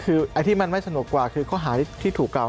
คือไอ้ที่มันไม่สนุกกว่าคือข้อหาที่ถูกกล่าว